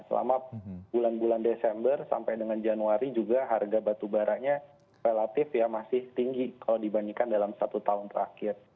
selama bulan bulan desember sampai dengan januari juga harga batubaranya relatif ya masih tinggi kalau dibandingkan dalam satu tahun terakhir